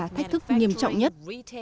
đó không phải là thách thức nghiêm trọng nhất